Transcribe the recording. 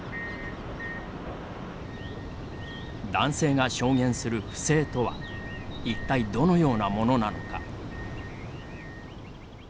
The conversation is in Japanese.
男性が証言する不正とは一体、どのようなものなのか。